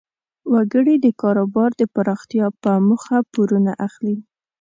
وګړي د کاروبار د پراختیا په موخه پورونه اخلي.